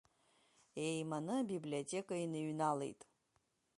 Еиманы абиблиотека иныҩналеит.